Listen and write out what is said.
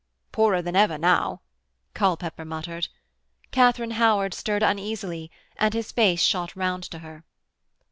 'Poorer than ever now,' Culpepper muttered. Katharine Howard stirred uneasily and his face shot round to her.